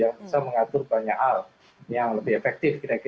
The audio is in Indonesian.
yang bisa mengatur banyak hal yang lebih efektif